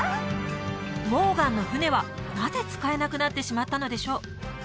モーガンの船はなぜ使えなくなってしまったのでしょう？